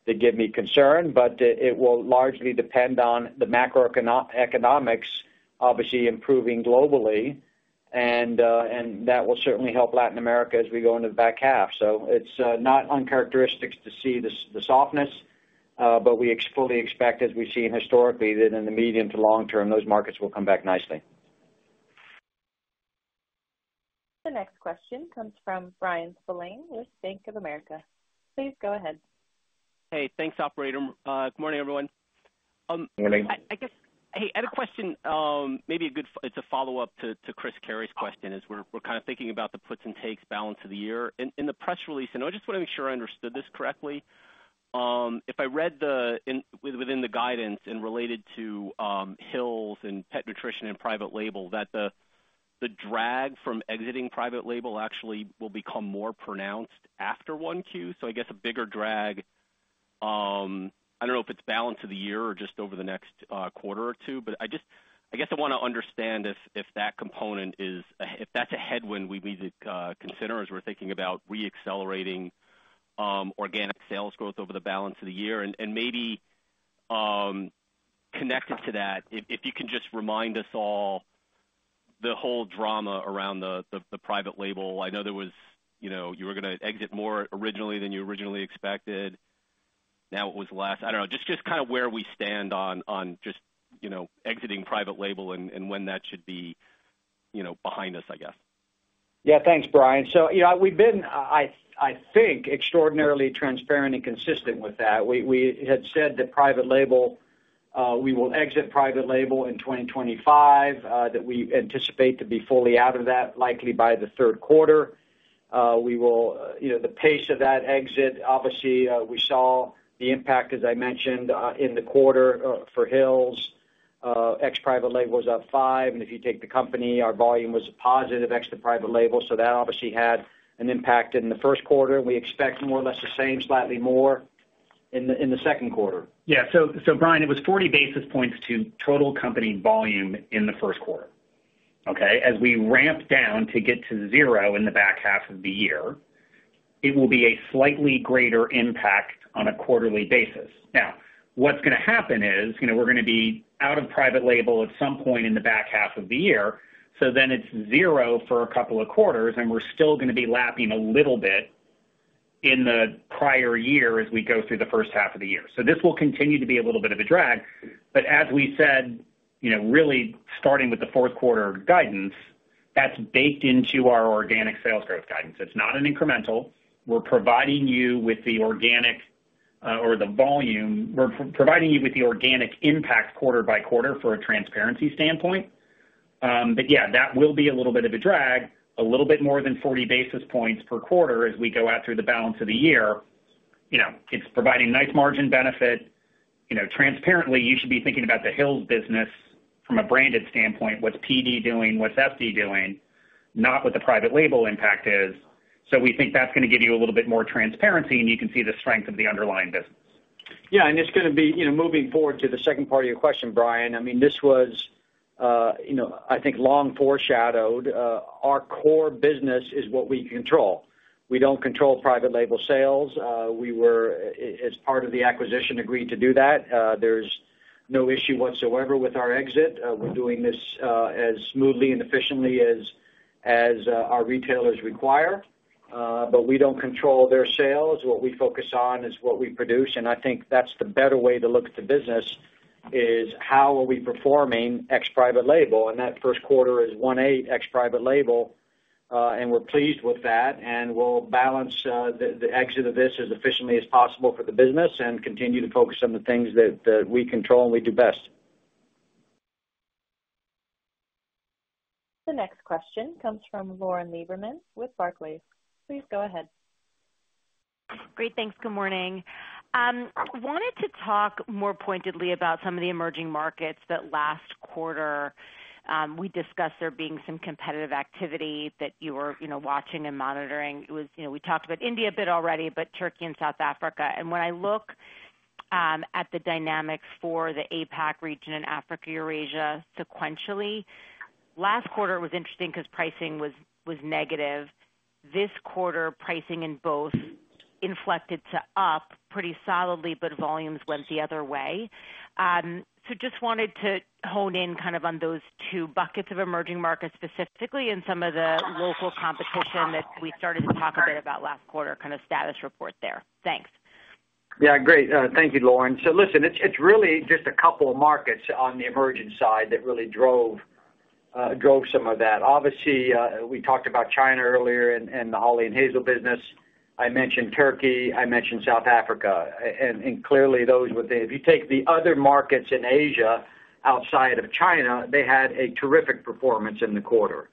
that give me concern. It will largely depend on the macroeconomics, obviously, improving globally. That will certainly help Latin America as we go into the back half. It is not uncharacteristic to see the softness. We fully expect, as we have seen historically, that in the medium to long term, those markets will come back nicely. The next question comes from Bryan Spillane with Bank of America. Please go ahead. Hey. Thanks, operator. Good morning, everyone. Morning. Hey. I had a question. Maybe it's a follow-up to Chris Carey's question as we're kind of thinking about the puts and takes balance of the year. In the press release, and I just want to make sure I understood this correctly, if I read within the guidance and related to Hill's and pet nutrition and private label that the drag from exiting private label actually will become more pronounced after one Q. I guess a bigger drag, I don't know if it's balance of the year or just over the next quarter or two. I guess I want to understand if that component is if that's a headwind we need to consider as we're thinking about re-accelerating organic sales growth over the balance of the year. Maybe connected to that, if you can just remind us all the whole drama around the private label. I know there was you were going to exit more originally than you originally expected. Now, it was less. I don't know. Just kind of where we stand on just exiting private label and when that should be behind us, I guess. Yeah. Thanks, Bryan. We have been, I think, extraordinarily transparent and consistent with that. We had said that private label, we will exit private label in 2025, that we anticipate to be fully out of that likely by the third quarter. The pace of that exit, obviously, we saw the impact, as I mentioned, in the quarter for Hill's. Ex-private label was up five. If you take the company, our volume was positive ex to private label. That obviously had an impact in the first quarter. We expect more or less the same, slightly more in the second quarter. Yeah. Bryan, it was 40 basis points to total company volume in the first quarter. Okay? As we ramp down to get to zero in the back half of the year, it will be a slightly greater impact on a quarterly basis. What is going to happen is we are going to be out of private label at some point in the back half of the year. It is zero for a couple of quarters. We are still going to be lapping a little bit in the prior year as we go through the first half of the year. This will continue to be a little bit of a drag. As we said, really starting with the fourth quarter guidance, that is baked into our organic sales growth guidance. It is not incremental. We are providing you with the organic or the volume. We're providing you with the organic impact quarter by quarter for a transparency standpoint. Yeah, that will be a little bit of a drag, a little bit more than 40 basis points per quarter as we go out through the balance of the year. It's providing nice margin benefit. Transparently, you should be thinking about the Hill's business from a branded standpoint, what's PD doing, what's FD doing, not what the private label impact is. We think that's going to give you a little bit more transparency. You can see the strength of the underlying business. Yeah. It is going to be moving forward to the second part of your question, Bryan. I mean, this was, I think, long foreshadowed. Our core business is what we control. We do not control private label sales. We were, as part of the acquisition, agreed to do that. There is no issue whatsoever with our exit. We are doing this as smoothly and efficiently as our retailers require. We do not control their sales. What we focus on is what we produce. I think the better way to look at the business is how are we performing ex-private label. That first quarter is one-eighth ex-private label. We are pleased with that. We will balance the exit of this as efficiently as possible for the business and continue to focus on the things that we control and we do best. The next question comes from Lauren Lieberman with Barclays. Please go ahead. Great. Thanks. Good morning. Wanted to talk more pointedly about some of the emerging markets that last quarter we discussed there being some competitive activity that you were watching and monitoring. We talked about India a bit already, but Turkey and South Africa. When I look at the dynamics for the APAC region and Africa, Eurasia sequentially, last quarter it was interesting because pricing was negative. This quarter, pricing in both inflected to up pretty solidly, but volumes went the other way. Just wanted to hone in kind of on those two buckets of emerging markets specifically and some of the local competition that we started to talk a bit about last quarter, kind of status report there. Thanks. Yeah. Great. Thank you, Lauren. Listen, it's really just a couple of markets on the emerging side that really drove some of that. Obviously, we talked about China earlier and the olive and hazel business. I mentioned Turkey. I mentioned South Africa. Clearly, if you take the other markets in Asia outside of China, they had a terrific performance in the quarter.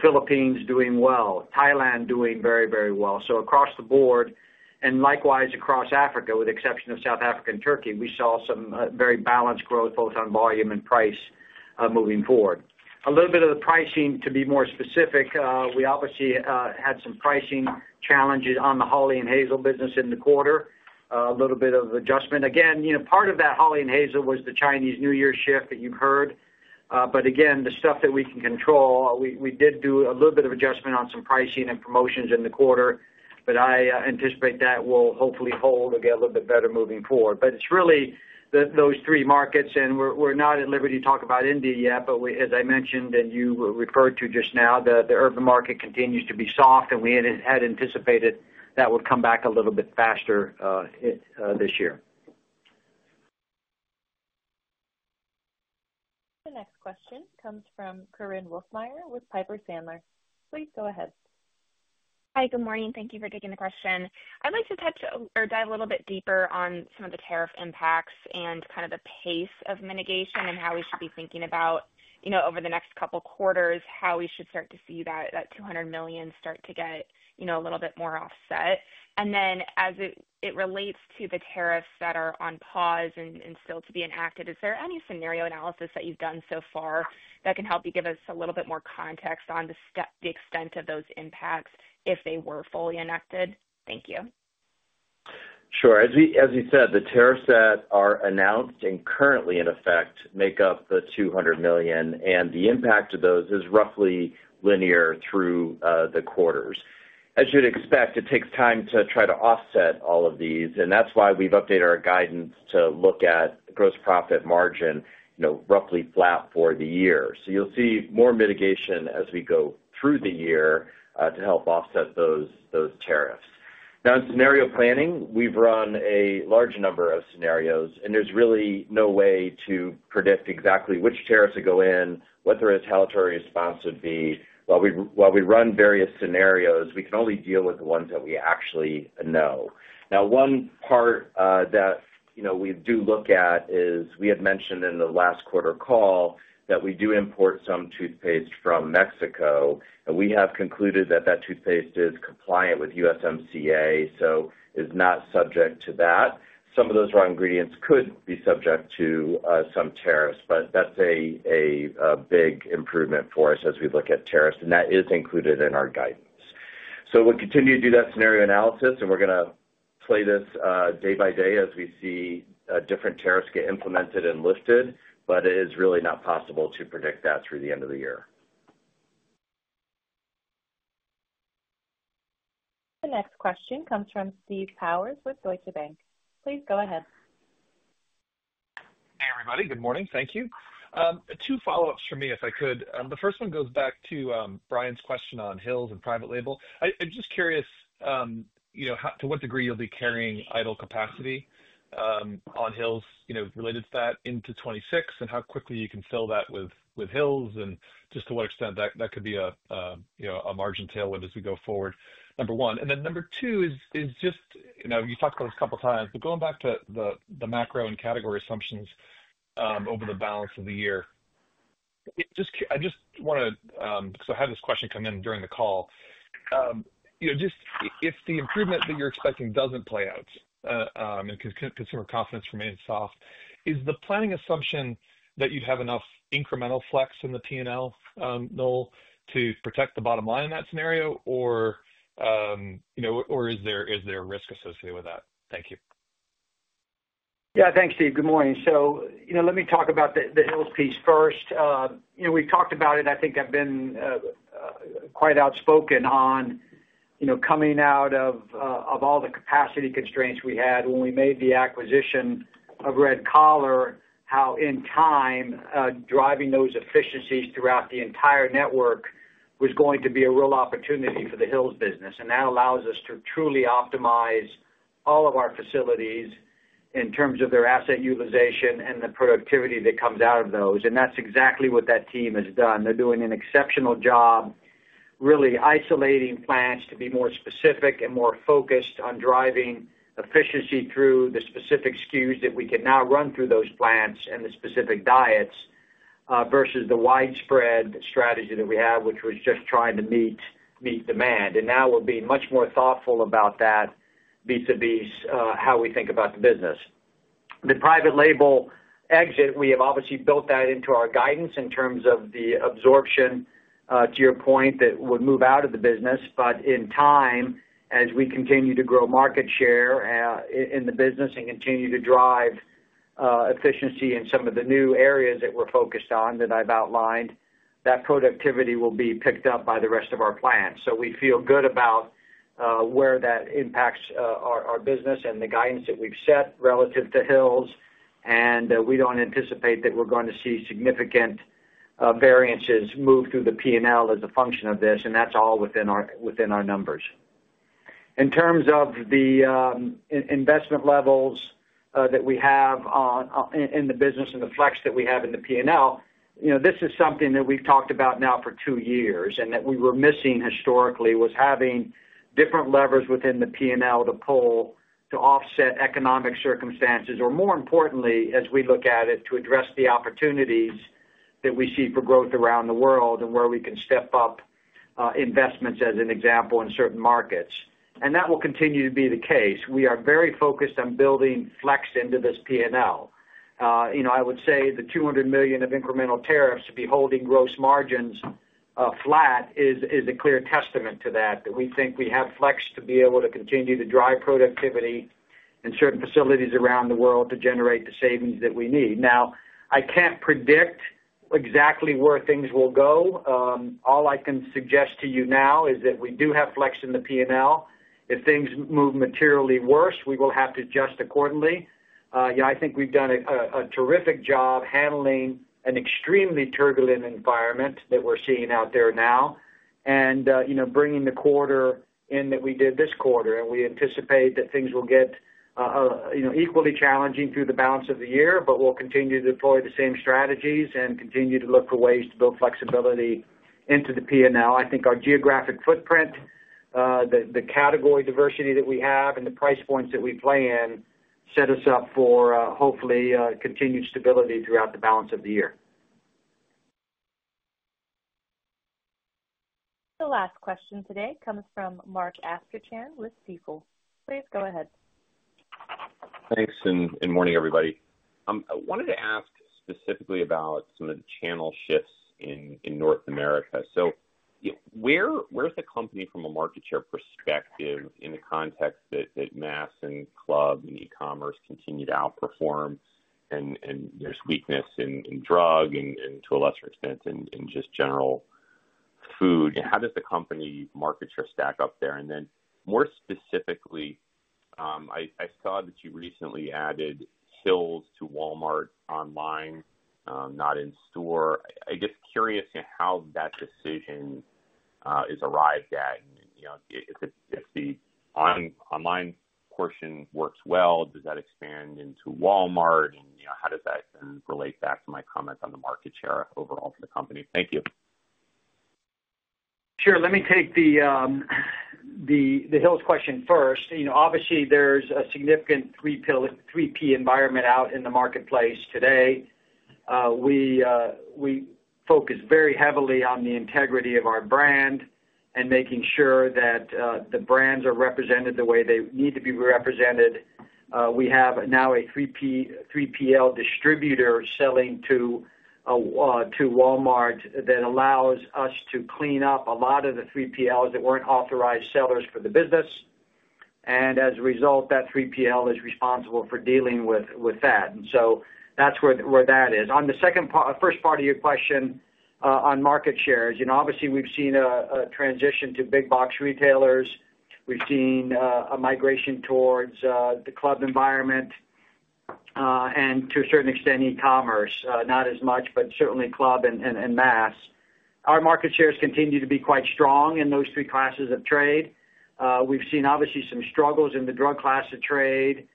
Philippines doing well. Thailand doing very, very well. Across the board and likewise across Africa, with the exception of South Africa and Turkey, we saw some very balanced growth both on volume and price moving forward. A little bit of the pricing, to be more specific, we obviously had some pricing challenges on the olive and hazel business in the quarter, a little bit of adjustment. Again, part of that Olive and Hazel was the Chinese New Year shift that you've heard. The stuff that we can control, we did do a little bit of adjustment on some pricing and promotions in the quarter. I anticipate that will hopefully hold and get a little bit better moving forward. It is really those three markets. We are not at liberty to talk about India yet. As I mentioned and you referred to just now, the urban market continues to be soft. We had anticipated that would come back a little bit faster this year. The next question comes from Korinne Wolfmeyer with Piper Sandler. Please go ahead. Hi. Good morning. Thank you for taking the question. I'd like to touch or dive a little bit deeper on some of the tariff impacts and kind of the pace of mitigation and how we should be thinking about over the next couple of quarters how we should start to see that $200 million start to get a little bit more offset. As it relates to the tariffs that are on pause and still to be enacted, is there any scenario analysis that you've done so far that can help you give us a little bit more context on the extent of those impacts if they were fully enacted? Thank you. Sure. As you said, the tariffs that are announced and currently in effect make up the $200 million. The impact of those is roughly linear through the quarters. As you'd expect, it takes time to try to offset all of these. That is why we've updated our guidance to look at gross profit margin roughly flat for the year. You will see more mitigation as we go through the year to help offset those tariffs. In scenario planning, we've run a large number of scenarios. There is really no way to predict exactly which tariffs would go in, what the retaliatory response would be. While we run various scenarios, we can only deal with the ones that we actually know. One part that we do look at is we had mentioned in the last quarter call that we do import some toothpaste from Mexico. We have concluded that that toothpaste is compliant with USMCA, so is not subject to that. Some of those raw ingredients could be subject to some tariffs. That is a big improvement for us as we look at tariffs. That is included in our guidance. We will continue to do that scenario analysis. We are going to play this day by day as we see different tariffs get implemented and lifted. It is really not possible to predict that through the end of the year. The next question comes from Steve Powers with Deutsche Bank. Please go ahead. Hey, everybody. Good morning. Thank you. Two follow-ups for me if I could. The first one goes back to Bryan's question on Hill's and private label. I'm just curious to what degree you'll be carrying idle capacity on Hill's related to that into 2026 and how quickly you can fill that with Hill's and just to what extent that could be a margin tailwind as we go forward, number one. Number two is just you talked about this a couple of times. Going back to the macro and category assumptions over the balance of the year, I just want to because I had this question come in during the call. Just if the improvement that you're expecting doesn't play out and consumer confidence remains soft, is the planning assumption that you'd have enough incremental flex in the P&L to protect the bottom line in that scenario? Or is there a risk associated with that? Thank you. Yeah. Thanks, Steve. Good morning. Let me talk about the Hill's piece first. We've talked about it. I think I've been quite outspoken on coming out of all the capacity constraints we had when we made the acquisition of Red Collar, how in time driving those efficiencies throughout the entire network was going to be a real opportunity for the Hill's business. That allows us to truly optimize all of our facilities in terms of their asset utilization and the productivity that comes out of those. That's exactly what that team has done. They're doing an exceptional job really isolating plants to be more specific and more focused on driving efficiency through the specific SKUs that we can now run through those plants and the specific diets versus the widespread strategy that we have, which was just trying to meet demand. We are being much more thoughtful about that, be it the beast, how we think about the business. The private label exit, we have obviously built that into our guidance in terms of the absorption, to your point, that would move out of the business. In time, as we continue to grow market share in the business and continue to drive efficiency in some of the new areas that we are focused on that I have outlined, that productivity will be picked up by the rest of our plants. We feel good about where that impacts our business and the guidance that we have set relative to Hill's. We do not anticipate that we are going to see significant variances move through the P&L as a function of this. That is all within our numbers. In terms of the investment levels that we have in the business and the flex that we have in the P&L, this is something that we've talked about now for two years and that we were missing historically was having different levers within the P&L to pull to offset economic circumstances or, more importantly, as we look at it, to address the opportunities that we see for growth around the world and where we can step up investments, as an example, in certain markets. That will continue to be the case. We are very focused on building flex into this P&L. I would say the $200 million of incremental tariffs to be holding gross margins flat is a clear testament to that, that we think we have flex to be able to continue to drive productivity in certain facilities around the world to generate the savings that we need. Now, I can't predict exactly where things will go. All I can suggest to you now is that we do have flex in the P&L. If things move materially worse, we will have to adjust accordingly. I think we've done a terrific job handling an extremely turbulent environment that we're seeing out there now and bringing the quarter in that we did this quarter. We anticipate that things will get equally challenging through the balance of the year. We will continue to deploy the same strategies and continue to look for ways to build flexibility into the P&L. I think our geographic footprint, the category diversity that we have, and the price points that we play in set us up for hopefully continued stability throughout the balance of the year. The last question today comes from Mark Astrachan with Stifel. Please go ahead. Thanks. Good morning, everybody. I wanted to ask specifically about some of the channel shifts in North America. Where is the company from a market share perspective in the context that mass and club and e-commerce continue to outperform? There is weakness in drug and to a lesser extent in just general food. How does the company market share stack up there? More specifically, I saw that you recently added Hill's to Walmart online, not in store. I guess curious how that decision is arrived at. If the online portion works well, does that expand into Walmart? How does that relate back to my comments on the market share overall for the company? Thank you. Sure. Let me take the Hill's question first. Obviously, there's a significant 3P environment out in the marketplace today. We focus very heavily on the integrity of our brand and making sure that the brands are represented the way they need to be represented. We have now a 3PL distributor selling to Walmart that allows us to clean up a lot of the 3PLs that were not authorized sellers for the business. As a result, that 3PL is responsible for dealing with that. That is where that is. On the first part of your question on market shares, obviously, we've seen a transition to big box retailers. We've seen a migration towards the club environment and to a certain extent e-commerce, not as much, but certainly club and mass. Our market shares continue to be quite strong in those three classes of trade. We've seen obviously some struggles in the drug class of trade.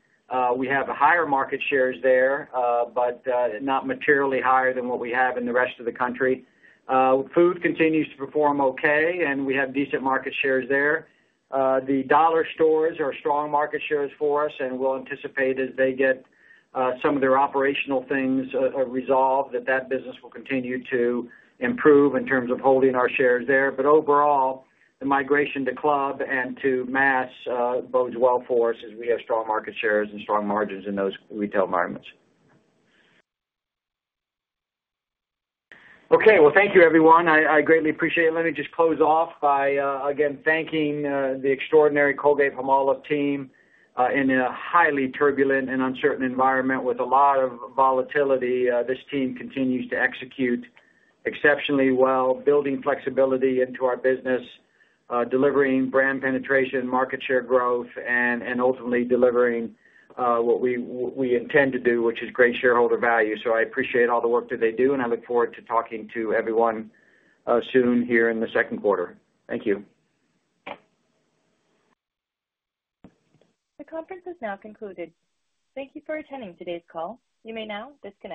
We have higher market shares there, but not materially higher than what we have in the rest of the country. Food continues to perform okay. We have decent market shares there. The dollar stores are strong market shares for us. We anticipate as they get some of their operational things resolved that that business will continue to improve in terms of holding our shares there. Overall, the migration to club and to mass bodes well for us as we have strong market shares and strong margins in those retail environments. Thank you, everyone. I greatly appreciate it. Let me just close off by, again, thanking the extraordinary Colgate-Palmolive team. In a highly turbulent and uncertain environment with a lot of volatility, this team continues to execute exceptionally well, building flexibility into our business, delivering brand penetration, market share growth, and ultimately delivering what we intend to do, which is great shareholder value. I appreciate all the work that they do. I look forward to talking to everyone soon here in the second quarter. Thank you. The conference has now concluded. Thank you for attending today's call. You may now disconnect.